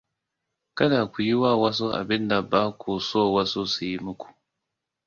Kada ku yi wa wasu abin da ba ku so wasu su yi muku.